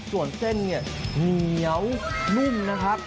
ส่วนเส้นเหนียวนุ่มนะครับ